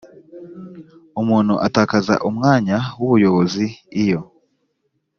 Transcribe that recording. umuntu atakaza umwanya w ubuyobozi iyo